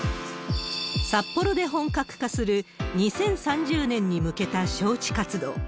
札幌で本格化する、２０３０年に向けた招致活動。